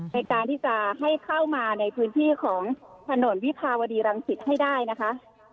ในการที่จะให้เข้ามาในพื้นที่ของถนนวิภาวดีรังสิตให้ได้นะคะ